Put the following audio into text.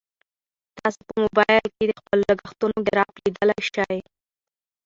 تاسو په موبایل کې د خپلو لګښتونو ګراف لیدلی شئ.